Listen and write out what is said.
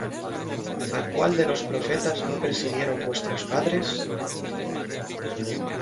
¿A cuál de los profetas no persiguieron vuestros padres?